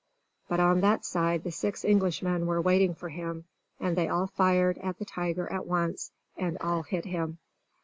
But on that side the six Englishmen were waiting for him; and they all fired at the tiger at once, and all hit him.